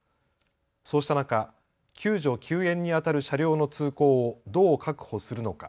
そうした中、救助・救援にあたる車両の通行をどう確保するのか。